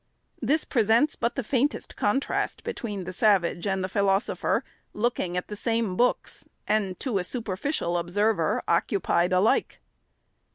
This presents but the faintest contrast between the savage and the philosopher, looking at the same books, and, to a superficial observer, occupied alike.